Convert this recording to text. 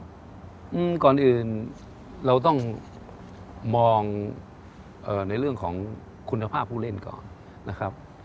ก่อนอื่นเราต้องมองในเรื่องของคุณภาพผู้เล่นก่อนนะครับ